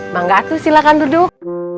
mah nggak tuh silahkan duduk